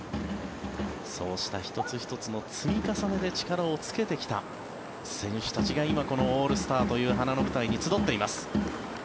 そうした１つ１つの積み重ねで力をつけてきた選手たちが今、オールスターという晴れの舞台に集っています。